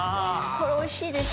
これおいしいです。